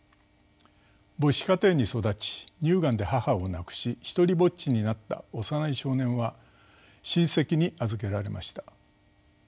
母子家庭に育ち乳がんで母を亡くし独りぼっちになった幼い少年は親戚に預けられました。